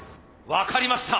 分かりました。